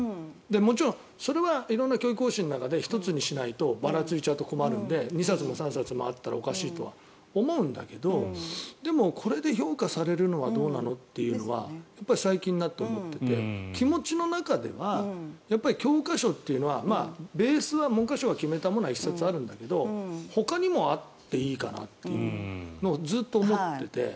もちろんそれは色んな教育方針の中で１つにしないとばらついちゃうので２冊も３冊もあったらおかしいとは思うんだけどでもこれで評価されるのはどうなのというのは最近になって思ってて気持ちの中では教科書というのはベースは、文科省が決めたものは１冊あるんだけどほかにもあっていいかなとずっと思ってて。